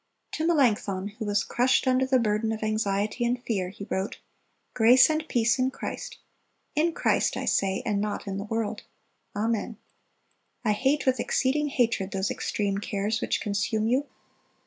(311) To Melanchthon, who was crushed under the burden of anxiety and fear, he wrote: "Grace and peace in Christ—in Christ, I say, and not in the world. Amen. I hate with exceeding hatred those extreme cares which consume you.